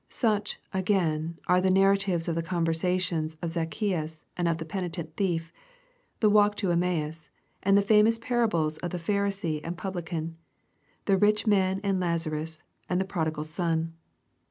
Such, again, are the narratives of the conversion of Zacchseus and of the penitent thief, — the walk to Emmaus, and the famous parables of the Pharisee and Publican, the rich man and Lazarus, and the Prodigal Son.